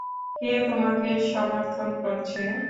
কে তোমাকে সমর্থন করছে?